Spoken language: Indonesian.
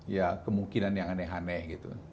ya kemungkinan yang aneh aneh gitu